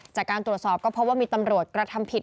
จากการตรวจสอบก็พบว่ามีตำรวจกระทำผิด